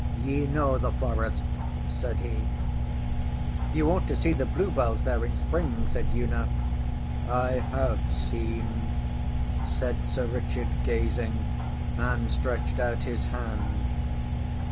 ŌĆśYe know the forest? ŌĆÖ said he. ŌĆśYou ought to see the bluebells there in Spring! ŌĆÖ said Una. ŌĆśI have seen, ŌĆÖ said Sir Richard, gazing, and stretched out his hand.